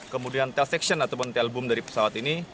kemudian tel section ataupun tel boom dari pesawat ini